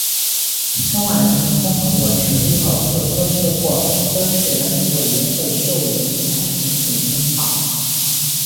中华人民共和国成立后又多次获福州市人民委员会授予名牌产品称号。